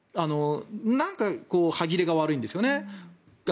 なんか歯切れが悪いんですよね。